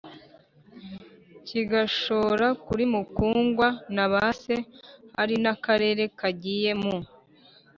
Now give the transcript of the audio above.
kigashora kuri mukungwa na base. hari n'akarere kagiye mu